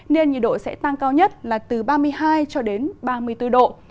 nên nhiệt độ sẽ tăng cao nhất là từ ba mươi hai ba mươi bốn độ